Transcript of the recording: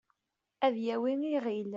ad yawi iɣil